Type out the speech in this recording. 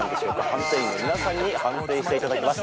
判定員の皆さんに判定して頂きます。